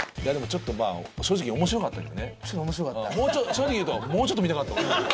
正直言うともうちょっと見たかった俺。